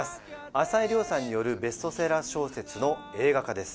朝井リョウさんによるベストセラー小説の映画化です。